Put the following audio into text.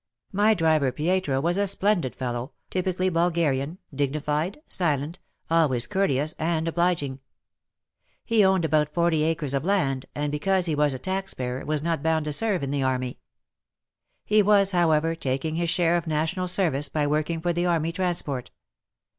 My driver Pietro was a splendid fellow, typically Bulgarian, dignified, silent, always courteous and obliging. He owned about forty acres of land, and because he was a tax payer was not bound to serve in the army. He was, however, taking his share of national service by working for the army transport.